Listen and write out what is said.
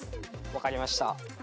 分かりました。